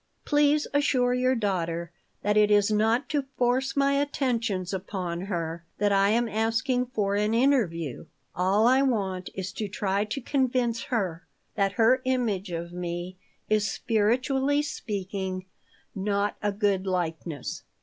"Please assure your daughter that it is not to force my attentions upon her that I am asking for an interview. All I want is to try to convince her that her image of me is, spiritually speaking, not a good likeness."